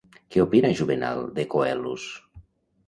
Què opina Juvenal de Coelus?